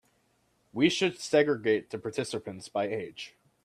We should segregate the participants by age.